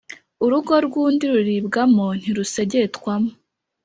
Urugo rw’undi ruribwamo ntirusegetwamo.